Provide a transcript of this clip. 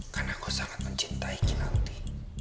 karena gue sangat mencintai kinanti